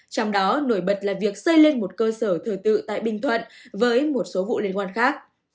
trong đó nổi bật là việc xây lên một cơ sở thờ tự tại bình thuận với một số vụ liên quan khác